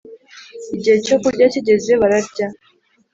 igihe cyo kurya kigeze bararya,